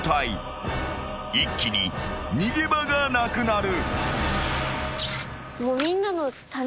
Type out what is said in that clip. ［一気に逃げ場がなくなる］